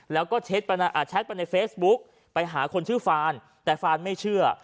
แล้วก็แชทไปในเฟซบุ๊กไปหาคนชื่อฟานแต่ฟานไม่เชื่อ